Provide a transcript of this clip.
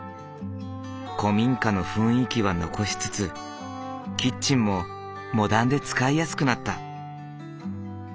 古民家の雰囲気は残しつつキッチンもモダンで使いやすくなった。